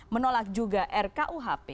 menolak juga rkuhp